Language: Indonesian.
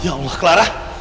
ya allah clara